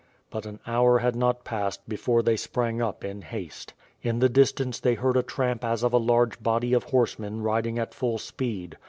But an hour had not passed before they sprang up in haste. In the distance they heard a tramp as of a large body of horsemen riding at full speed.